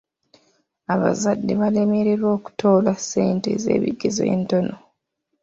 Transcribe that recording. Abazadde baalemererwa okutoola ssente z'ebigezo entono.